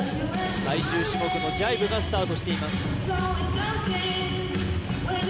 最終種目のジャイブがスタートしています